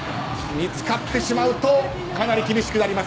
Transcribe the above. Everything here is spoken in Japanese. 見つかってしまうとかなり厳しくなります。